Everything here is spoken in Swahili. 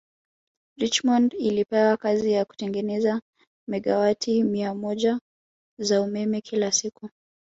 Richmond ilipewa kazi ya kutengeneza megawati mia moja za umeme kila siku